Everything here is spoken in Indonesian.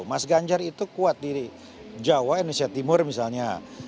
mas ganjar itu kuat di jawa indonesia timur misalnya